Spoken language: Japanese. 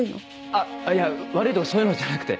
あっいや悪いとかそういうのじゃなくて。